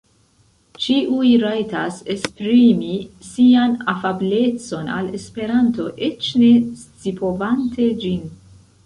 Ĉiuj rajtas esprimi sian afablecon al Esperanto eĉ ne scipovante ĝin.